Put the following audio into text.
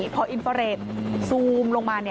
พออินฟาเรทซูมลงมา